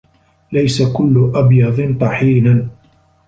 ليس كل أبيض طحيناً.